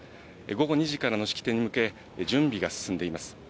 午後２時からの式典に向け準備が進んでいます。